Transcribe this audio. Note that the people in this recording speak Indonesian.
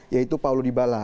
yaitu paulo dybala